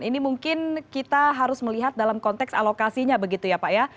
ini mungkin kita harus melihat dalam konteks alokasinya begitu ya pak ya